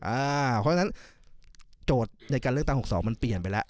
เพราะฉะนั้นโจทย์ในการเลือกตั้ง๖๒มันเปลี่ยนไปแล้ว